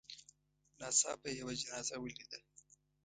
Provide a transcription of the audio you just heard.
ناڅاپه یې یوه جنازه ولیده.